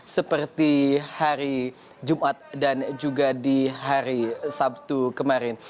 seperti hari jumat dan juga di hari sabtu kemarin